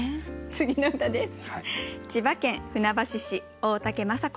次の歌です。